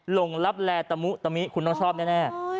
ลงลับแลตะมุตะมิคุณต้องชอบแน่